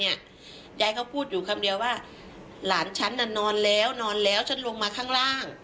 ยายเขาพูดอยู่คำเดียวว่าหลานฉันน่ะนอนแล้วนอนแล้วฉันลงมาข้างล่าง